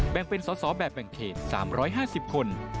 แบ่งเป็นสอสอแบบแบ่งเขต๓๕๐คน